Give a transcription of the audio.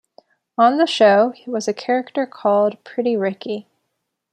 On the show was a character called 'Pretty Ricky.